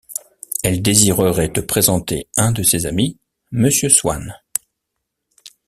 Elle désirerait te présenter un de ses amis, Monsieur Swann.